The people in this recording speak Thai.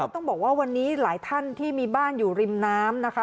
ต้องบอกว่าวันนี้หลายท่านที่มีบ้านอยู่ริมน้ำนะคะ